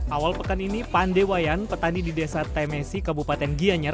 awal pekan ini pandewayan petani di desa temesi kabupaten gianyar